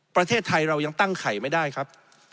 ประเทศไทยเรายังตั้งไข่ไม่ได้ครับ